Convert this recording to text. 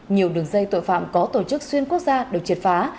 nhiều đường dây tội phạm có tổ chức xuyên quốc gia được triệt phá